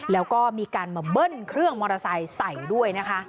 แล้วก็มีการมาเบิ้ลเครื่องมอเตอร์ไซค์ใส่ด้วยนะคะ